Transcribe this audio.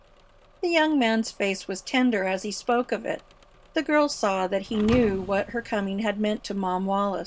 The young man's face was tender as he spoke of it. The girl saw that he knew what her coming had meant to Mom Wallis.